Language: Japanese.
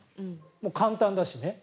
簡単だしね。